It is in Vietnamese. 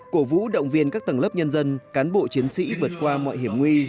cổ vũ động viên các tầng lớp nhân dân cán bộ chiến sĩ vượt qua mọi hiểm nguy